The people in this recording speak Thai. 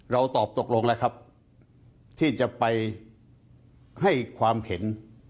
เราตอบตกลงแล้วครับที่จะไปให้ความเห็น